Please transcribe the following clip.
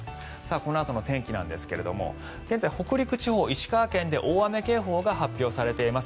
このあとの天気なんですが現在、北陸地方は石川県で大雨警報が発表されています。